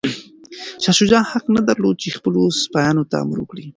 شاه شجاع حق نه درلود چي خپلو سپایانو ته امر وکړي.